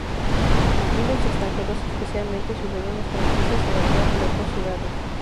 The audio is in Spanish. Miles de extranjeros, especialmente ciudadanos franceses, evacuaron las dos ciudades.